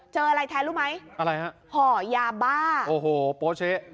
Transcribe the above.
อะไรแทนรู้ไหมอะไรฮะห่อยาบ้าโอ้โหโปเช๊